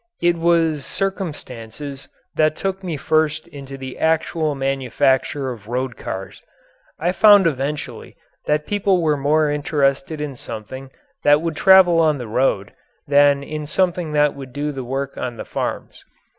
It was circumstances that took me first into the actual manufacture of road cars. I found eventually that people were more interested in something that would travel on the road than in something that would do the work on the farms.